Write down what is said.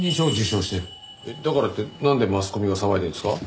だからってなんでマスコミが騒いでるんですか？